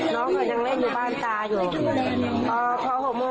ก็ยังเล่นอยู่บ้านตาอยู่